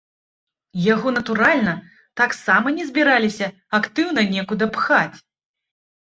Яго, натуральна, таксама не збіраліся актыўна некуды пхаць.